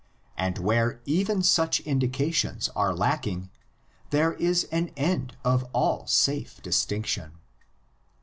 And where even such indications are lacking there is an end of all safe distinction.